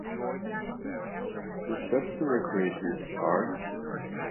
The steps to recreate this are